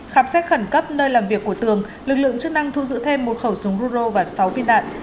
khám xét khẩn cấp nơi làm việc của tường lực lượng chức năng thu giữ thêm một khẩu súng ruro và sáu viên đạn